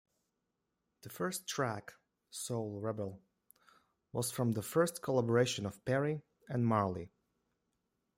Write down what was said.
The first track, "Soul Rebel", was from the first collaboration of Perry and Marley.